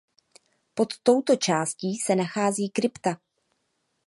Pod touto částí se nachází krypta.